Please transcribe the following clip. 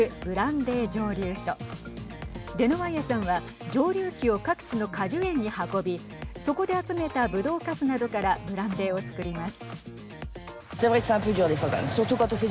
デノワイエさんは蒸留器を各地の果樹園に運びそこで集めたぶどうかすなどからブランデーを造ります。